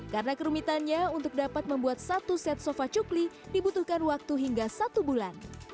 karena kerumitannya untuk dapat membuat satu set sofa cukli dibutuhkan waktu hingga satu bulan